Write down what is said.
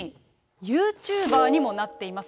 ユーチューバーにもなっています。